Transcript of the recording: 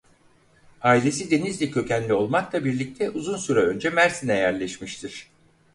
Ailesi Denizli kökenli olmakla birlikte uzun süre önce Mersin'e yerleşmiştir.